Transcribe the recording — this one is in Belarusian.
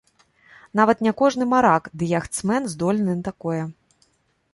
Нават не кожны марак ды яхтсмэн здольны на такое.